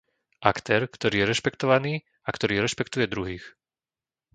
Aktér, ktorý je rešpektovaný a ktorý rešpektuje druhých.